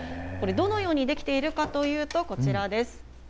これ、どのように出来ているかというと、こちらです。